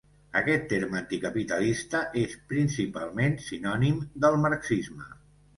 Aquest terme anticapitalista és principalment sinònim del marxisme.